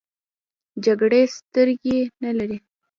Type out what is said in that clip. جګړې سترګې نه لري .